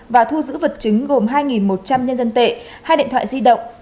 và thu giữ vật chứng gồm hai một trăm linh nhân dân tệ hai điện thoại di động